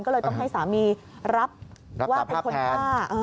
ก็เลยต้องให้สามีรับว่าเป็นคนฆ่า